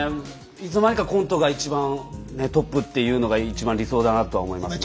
いつの間にかコントが一番トップっていうのが一番理想だなとは思いますね。